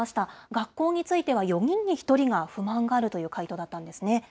学校については４人に１人が不満があるという回答だったんですね。